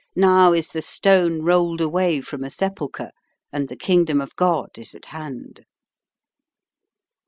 Now is the stone rolled away from the sepulchre, and the Kingdom of God is at hand."